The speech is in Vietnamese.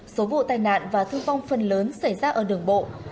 số vụ tai nạn và thương vong phần lớn xảy ra ở đường bộ